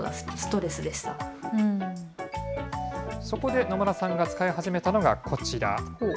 そこで、野村さんが使い始めたのがこちら。